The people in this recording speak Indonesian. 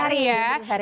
itu untuk sehari hari